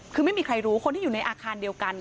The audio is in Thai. คือไม่มีใครรู้คนที่อยู่ในอาคารเดียวกัน